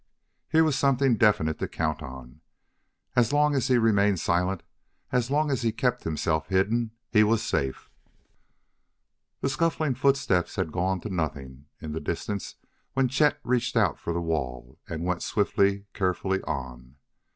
Here was something definite to count on. As long as he remained silent, as long as he kept himself hidden, he was safe. The scuffling footsteps had gone to nothing in the distance when Chet reached out for the wall and went swiftly, carefully, on.